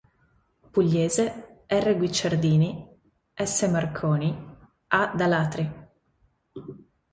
Pugliese, R. Guicciardini, S. Marconi, A. D’Alatri.